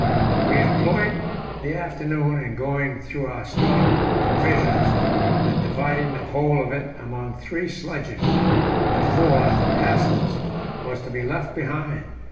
We employed the afternoon in going through our stock of provisions, and dividing the whole of it among three sledges; the fourth Hassel's was to be left behind.